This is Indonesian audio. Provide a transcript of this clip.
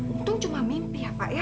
untung cuma mimpi ya pak ya